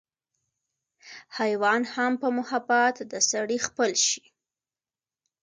حېوان هم پۀ محبت د سړي خپل شي